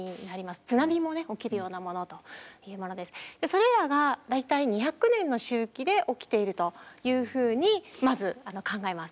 それらが大体２００年の周期で起きているというふうにまず考えます。